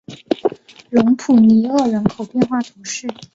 隆普尼厄人口变化图示